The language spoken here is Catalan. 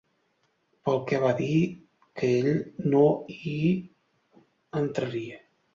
Pel que va dir que ell no hi entraria.